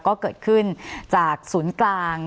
ก็เกิดขึ้นจากศูนย์กลาง